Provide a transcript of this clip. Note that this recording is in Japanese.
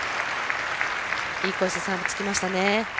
いいコースにサーブ、突きましたね。